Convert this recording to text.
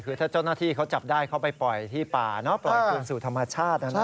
คือถ้าเจ้าหน้าที่เขาจับได้เขาไปปล่อยที่ป่าปล่อยคืนสู่ธรรมชาตินะนะ